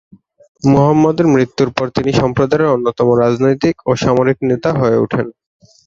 মুহাম্মদের মৃত্যুর পর তিনি সম্প্রদায়ের অন্যতম রাজনৈতিক ও সামরিক নেতা হয়ে ওঠেন।